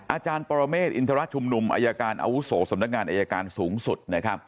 อาจารย์ปรเมฆอินทรชุมนุมอายการอาวุโสสำนักงานอายการสูงสุด